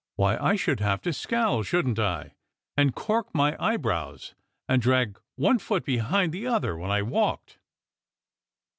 Why, I should have to scowl, shouldn't I, and cork my eyebrows, and drag one foot beliind the other when I walked